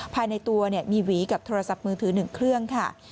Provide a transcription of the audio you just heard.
ภายในตัวมีหวีกับโทรศัพท์มือถือ๑เครื่องค่ะ